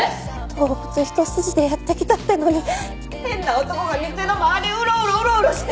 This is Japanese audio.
動物一筋でやってきたってのに変な男が店の周りうろうろうろうろして。